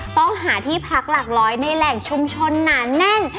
ต้องหาที่พักหลักร้อยในแหล่งชุมชนหนาแน่น